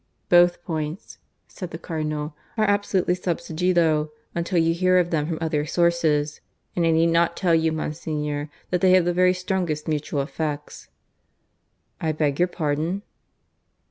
"Both points," said the Cardinal, "are absolutely sub sigillo until you hear of them from other sources. And I need not tell you, Monsignor, that they have the very strongest mutual effects." "I beg your pardon?"